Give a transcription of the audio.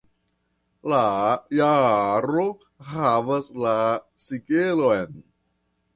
La jarlo havas la sigelon.